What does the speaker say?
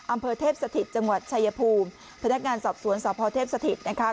อำเภอเทพสถิตจังหวัดชายภูมิพนักงานสอบสวนสพเทพสถิตนะคะ